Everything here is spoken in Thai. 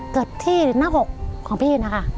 เกิดที่หน้าอกของพี่นะคะ